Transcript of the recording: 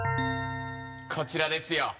こちらですよ。